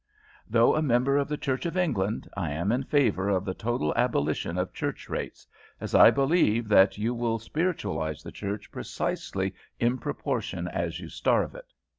"Though a member of the Church of England, I am in favour of the total abolition of Church rates, as I believe that you will spiritualise the Church precisely in proportion as you starve it.